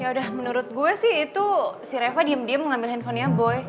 ya udah menurut gue sih itu si reva diem diem ngambil handphonenya boy